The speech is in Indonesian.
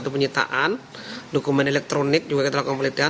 kemudian sejumlah dokumen surat surat dan juga barang barang lainnya